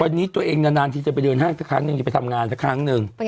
วันนี้ตัวเองนานทีจะไปเดินห้างสักครั้งหนึ่งจะไปทำงานสักครั้งหนึ่ง